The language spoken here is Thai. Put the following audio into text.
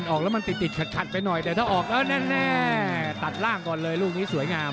ออกแล้วมันติดติดขัดไปหน่อยแต่ถ้าออกแล้วแน่ตัดล่างก่อนเลยลูกนี้สวยงาม